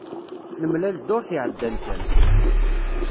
Nemlal dduṛt iɛeddan kan.